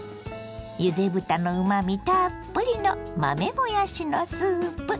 ゆで豚のうまみたっぷりの豆もやしのスープ。